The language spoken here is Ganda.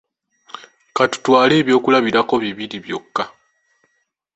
Ka tutwale ebyokulabirako bibiri byokka.